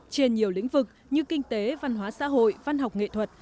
trên nhiều lĩnh vực như kinh tế văn hóa xã hội văn học nghệ thuật